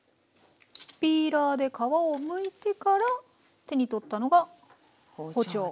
ピーラーで皮をむいてから手に取ったのが包丁で。